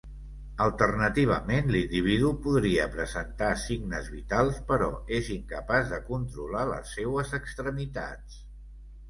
Alternativament, l'individu podria presentar signes vitals, però és incapaç de controlar les seues extremitats.